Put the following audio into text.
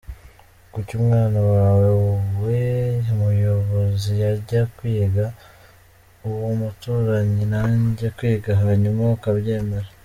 Kuki umwana wawe wowe muyobozi yajya kwiga, uw’umuturanyi ntajye kwiga hanyuma ukabyemera?